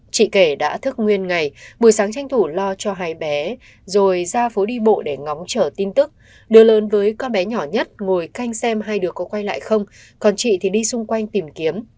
chị kể đã thức nguyên ngày buổi sáng tranh thủ lo cho hai bé rồi ra phố đi bộ để ngóng trở tin tức đưa lớn với con bé nhỏ nhất ngồi canh xem hai đứa có quay lại không còn chị thì đi xung quanh tìm kiếm